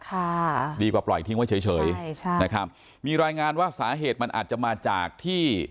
ค่ะดีกว่าปล่อยทิ้งไว้เฉยเฉยใช่ใช่นะครับมีรายงานว่าสาเหตุมันอาจจะมาจากที่